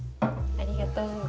ありがとう。